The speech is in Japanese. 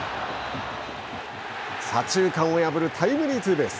左中間を破るタイムリーツーベース。